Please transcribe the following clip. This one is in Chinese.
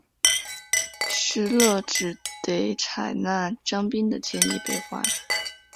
石勒只得采纳张宾的建议北还。